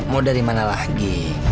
mau dari mana lagi